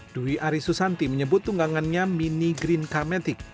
dwi aris susanti menyebut tunggangannya mini green k matic